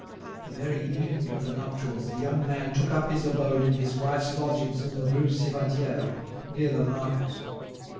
The very evening of the nuptials the young man took up his abode in his wife's lodgings in the Rue Civadière, near the market.